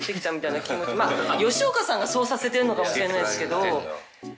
吉岡さんがそうさせてるのかもしれないですけど。